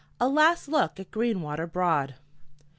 A LAST LOOK AT GREENWATER BROAD.